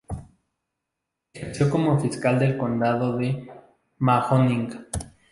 Ejerció como fiscal del condado de Mahoning.